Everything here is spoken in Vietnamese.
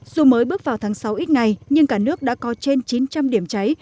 dù mới bước vào tháng sáu ít ngày nhưng cả nước đã có trên chín trăm linh điểm cháy